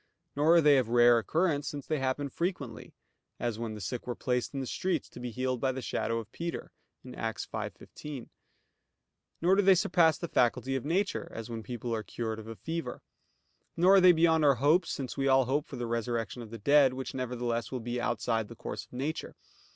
Nor are they of rare occurrence, since they happen frequently; as when the sick were placed in the streets, to be healed by the shadow of Peter (Acts 5:15). Nor do they surpass the faculty of nature; as when people are cured of a fever. Nor are they beyond our hopes, since we all hope for the resurrection of the dead, which nevertheless will be outside the course of nature.